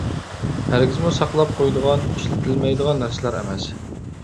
ھەرگىزمۇ ساقلاپ قويىدىغان، ئىشلىتىلمەيدىغان نەرسىلەر ئەمەس.